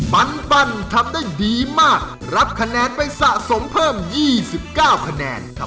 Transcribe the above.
ปันทำได้ดีมากรับคะแนนไปสะสมเพิ่ม๒๙คะแนน